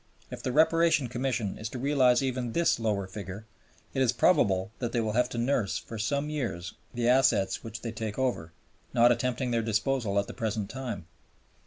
If the Reparation Commission is to realize even this lower figure, it is probable that they will have to nurse, for some years, the assets which they take over, not attempting their disposal at the present time.